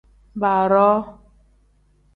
Baaroo.